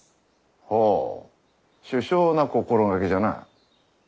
ほう殊勝な心掛けじゃな。